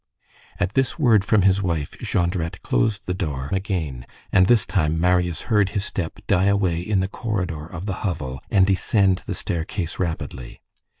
At this word from his wife, Jondrette closed the door again, and this time, Marius heard his step die away in the corridor of the hovel, and descend the staircase rapidly.